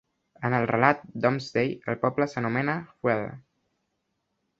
En el relat "Domesday", el poble s'anomena "Hwelle".